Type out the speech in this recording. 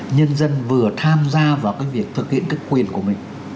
nhân dân vừa tham gia vào việc thực hiện quyền của mình